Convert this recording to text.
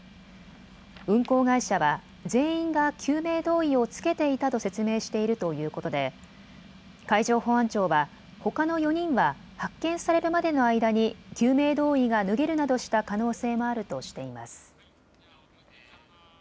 運航会社は全員が救命胴衣を着けていたと説明しているということで海上保安庁はほかの４人は発見されるまでの間に救命胴衣が脱げるなどした可能性もあるとしています。